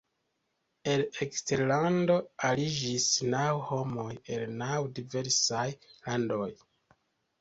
El eksterlando aliĝis naŭ homoj el naŭ diversaj landoj.